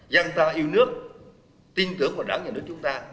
dân ta yêu nước tin tưởng vào đảng nhà nước chúng ta